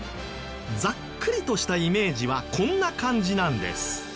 ざっくりとしたイメージはこんな感じなんです。